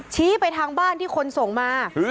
ชี้ไปทางบ้านที่คนส่งมา